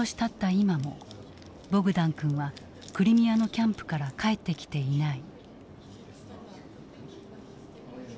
今もボグダン君はクリミアのキャンプから帰ってきていない。